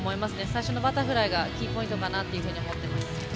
最初のバタフライがキーポイントかなと思います。